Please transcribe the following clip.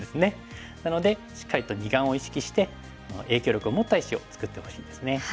なのでしっかりと二眼を意識して影響力を持った石を作ってほしいですね。